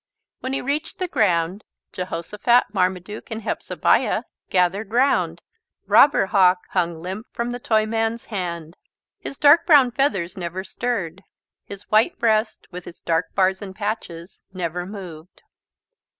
When he reached the ground Jehosophat, Marmaduke and Hepzebiah gathered round. Robber Hawk hung limp from the Toyman's hand. His dark brown feathers never stirred. His white breast with its dark bars and patches never moved.